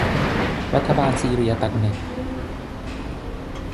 รัฐบาลซีเรียตัดเน็ต